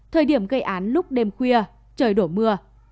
thời điểm gây án lúc đêm khuya trời đổ mưa